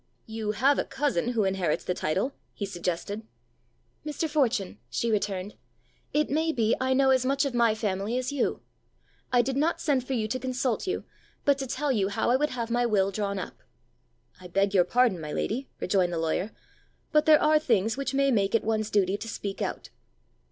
"You have a cousin who inherits the title!" he suggested. "Mr. Fortune," she returned, "it may be I know as much of my family as you. I did not send for you to consult you, but to tell you how I would have my will drawn up!" "I beg your pardon, my lady," rejoined the lawyer, "but there are things which may make it one's duty to speak out."